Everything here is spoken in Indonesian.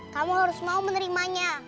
kamu harus mau menerimanya